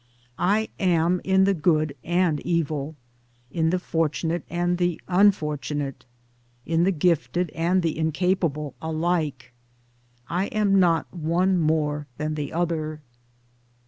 I am in the good and evil, in the fortunate and the unfortunate, in the gifted and the incapable, alike; I am not one more than the other.